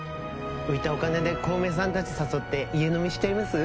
浮いたお金で小梅さんたち誘って家飲みしちゃいます？